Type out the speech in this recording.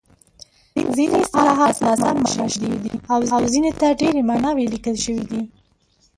ځیني اصطلاحات ناسم مانا شوي دي او ځینو ته ډېرې ماناوې لیکل شوې دي.